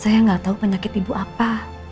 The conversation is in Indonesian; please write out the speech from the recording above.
saya gatau penyakit ibu apa